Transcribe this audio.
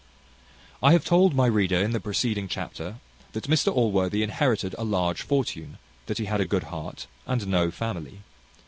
I have told my reader, in the preceding chapter, that Mr Allworthy inherited a large fortune; that he had a good heart, and no family.